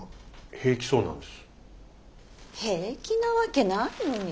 平気なわけないのに。